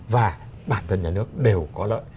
và bản thân nhà nước đều có lợi